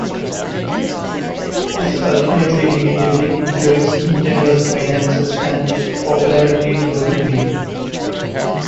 This ultimately negatively influenced Nintendo's finances and popularity to a degree.